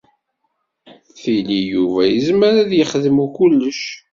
Tili Yuba yezmer ad yexdem kullec.